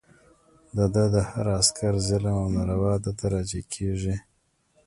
د ده د هر عسکر ظلم او ناروا ده ته راجع کېږي.